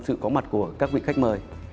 sự có mặt của các vị khách mời